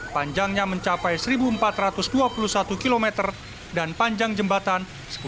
panjangnya mencapai satu empat ratus dua puluh satu km dan panjang jembatan sepuluh